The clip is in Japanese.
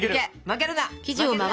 負けるな！